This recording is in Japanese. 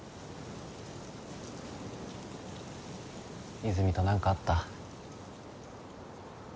和泉と何かあった？